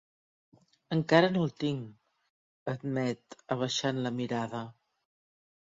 Encara no el tinc —admet, abaixant la mirada.